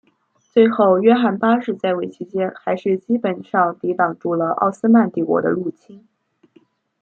最后约翰八世在位期间还是基本上抵挡住了奥斯曼帝国的入侵。